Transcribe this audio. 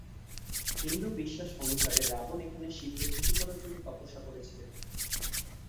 হিন্দু বিশ্বাস অনুসারে, রাবণ এখানে শিবকে খুশি করার জন্য তপস্যা করেছিলেন।